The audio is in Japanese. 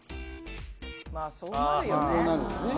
まぁそうなるよね。